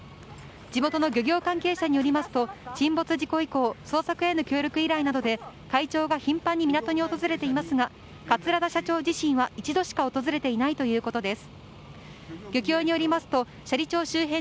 地元の漁協関係者によりますと沈没事故以降捜索への協力依頼などで頻繁に港に訪れていますが桂田社長自身は一度しか訪れていないということです。